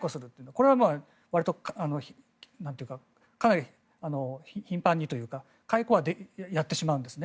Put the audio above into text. これはわりとかなり頻繁にというか解雇はやってしまうんですね。